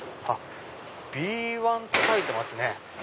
Ｂ１って書いてますね。